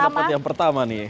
dapat yang pertama nih